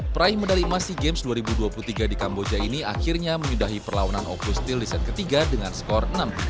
praih medali masi games dua ribu dua puluh tiga di kamboja ini akhirnya menyudahi perlawanan oplustil di set ketiga dengan skor enam tiga